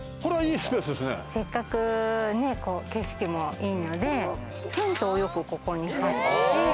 せっかく景色もいいので、テントをよくここに張って。